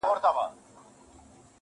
د شپې مي دومره وي ژړلي گراني